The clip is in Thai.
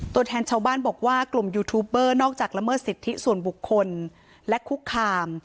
ตัวแทนชาวบ้านบอกว่ากลุ่มยูทูบเบอร์นอกจากละเมิดสิทธิส่วนบุคคลและคุกคาม